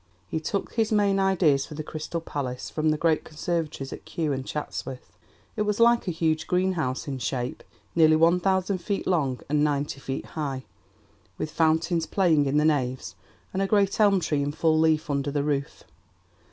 He took his main ideas for the Crystal Palace from the great conservatories at Kew and Chatsworth. It was like a huge greenhouse in shape, nearly one thousand feet long and ninety feet high, with fountains playing in the naves and a great elm tree in full leaf under the roof.